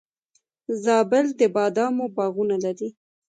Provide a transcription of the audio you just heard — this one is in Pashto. زابل د بادامو باغونه لري